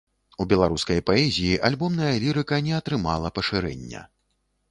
У беларускай паэзіі альбомная лірыка не атрымала пашырэння.